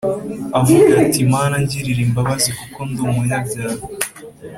Avuga ati mana ngirira imbabazi kuko ndi umunyabyaha